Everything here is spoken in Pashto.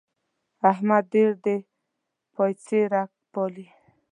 احمد ډېر د پايڅې رګی پالي.